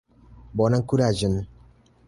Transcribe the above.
Bonan kuraĝon!